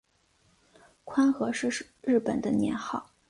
宽和是日本的年号。